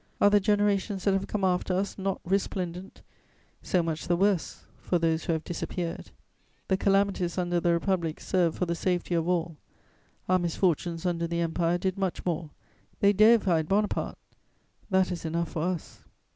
Are the generations that have come after us not resplendent? So much the worse for those who have disappeared! The calamities under the Republic served for the safety of all; our misfortunes under the Empire did much more: they deified Bonaparte! That is enough for us.